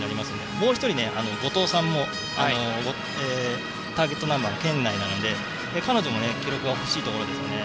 もう１人、後藤さんもターゲットナンバー圏内なので彼女も記録が欲しいところですね。